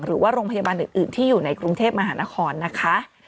หรือว่าโรงพยาบาลอื่นที่อยู่ในกรุงเทพมหานครนะคะ